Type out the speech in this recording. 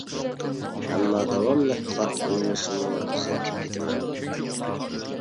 ئەمما داۋاملىق قارت ئوينىسىمۇ زېرىكىپ كېتىمەن.